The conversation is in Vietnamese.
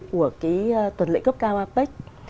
của cái tuần lệ cấp cao apec